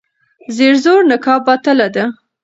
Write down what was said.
زیر زور نکاح باطله ده.